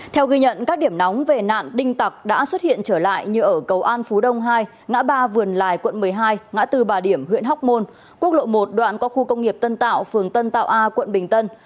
theo ghi nhận các điểm nóng về nạn đinh tặc đã xuất hiện trở lại như ở cầu an phú đông hai ngã ba vườn lài quận một mươi hai ngã từ bà điểm huyện hóc môn quốc lộ một đoạn qua khu công nghiệp tân tạo phường tân tạo a quận bình tân